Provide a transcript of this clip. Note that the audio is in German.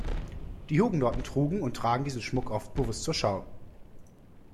Die Hugenotten trugen und tragen diesen Schmuck oft bewusst zur Schau.